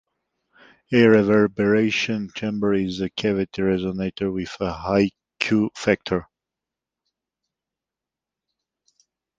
A reverberation chamber is a cavity resonator with a high Q factor.